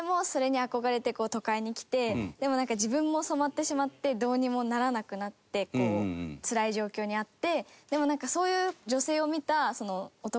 でも自分も染まってしまってどうにもならなくなってつらい状況にあって。